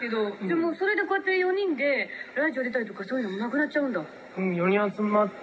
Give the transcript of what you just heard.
もうそれでこうやって４人でラジオ出たりとかそういうのもなくなっちゃうんだ？」。